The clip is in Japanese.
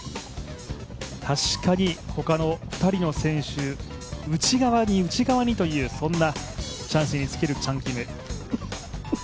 確かにほかの２人の選手内側に内側にというそんなチャンスにつけるチャン・キム。